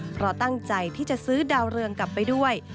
เพราะตั้งใจที่จะซื้อดาวเรืองกลับไปด้วย